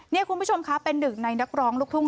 นี่คุณผู้ชมคะเป็นหนึ่งในนักร้องลูกทุ่ง